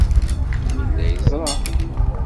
Yella yeẓra.